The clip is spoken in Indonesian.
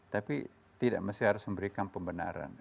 tapi tidak mesti harus memberikan pembenaran